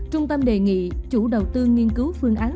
trung tâm đề nghị chủ đầu tư nghiên cứu phương án